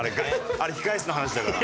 あれ控室の話だから。